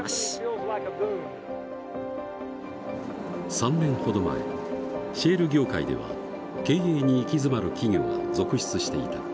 ３年ほど前シェール業界では経営に行き詰まる企業が続出していた。